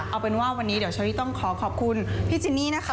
เอาเป็นว่าวันนี้เดี๋ยวเชอรี่ต้องขอขอบคุณพี่จินนี่นะคะ